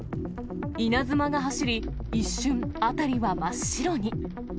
稲妻が走り、一瞬、辺りは真っ白に。